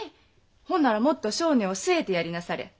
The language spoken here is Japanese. ほんならもっと性根を据えてやりなされ。